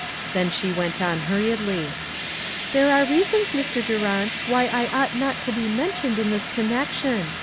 Then she went on hur riedly : "There are reasons, Mr. Durant, why I ought not to be mentioned in this connec tion.